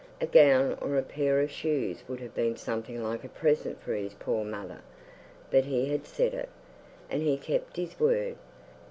A gown or a pair of shoes would have been something like a present for his poor mother; but he had said it, and he kept his word.